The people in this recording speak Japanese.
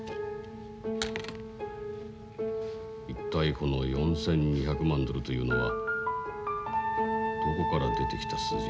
一体この４，２００万ドルというのはどこから出てきた数字なんだ？